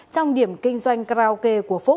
trong điểm kinh doanh karaoke của phúc